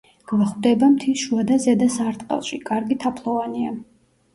გვხვდება მთის შუა და ზედა სარტყელში, კარგი თაფლოვანია.